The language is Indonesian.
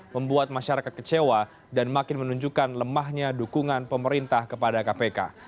membuat masyarakat kecewa dan makin menunjukkan lemahnya dukungan pemerintah kepada kpk